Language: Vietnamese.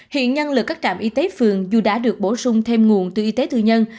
hiện nhân lực các trạm y tế phường dù đã được bổ sung thêm nguồn từ y tế tư nhân